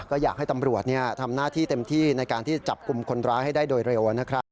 ก็อยากให้ตำรวจทำหน้าที่เต็มที่ในการที่จับกลุ่มคนร้ายให้ได้โดยเร็วนะครับ